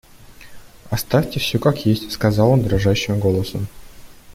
Оставьте всё как есть, — сказал он дрожащим голосом.